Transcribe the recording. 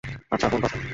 আচ্ছা, কোন পথে?